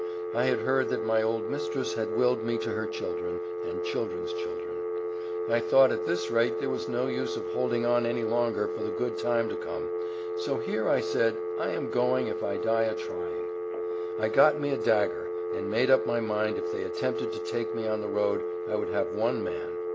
I had heard that my old mistress had willed me to her children, and children's children. I thought at this rate there was no use of holding on any longer for the good time to come, so here I said, I am going, if I die a trying. I got me a dagger, and made up my mind if they attempted to take me on the road, I would have one man.